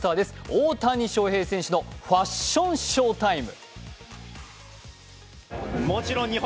大谷翔平選手のファッションショータイム。